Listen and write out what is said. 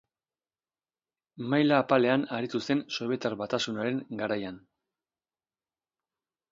Maila apalean aritu zen Sobietar Batasunaren garaian.